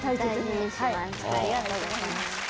ありがとうございます。